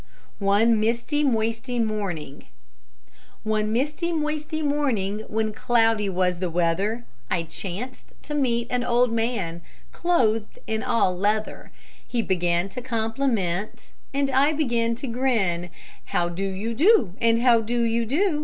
ONE MISTY MOISTY MORNING One misty moisty morning, When cloudy was the weather, I chanced to meet an old man, Clothed all in leather. He began to compliment And I began to grin. How do you do? And how do you do?